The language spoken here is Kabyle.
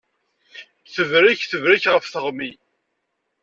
Tebrek tebrek ɣef tiɣmi.